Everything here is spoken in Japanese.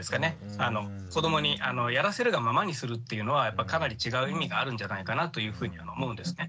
子どもにやらせるがままにするっていうのはかなり違う意味があるんじゃないかなというふうに思うんですね。